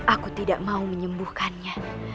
aku tidak mau menyembuhkannya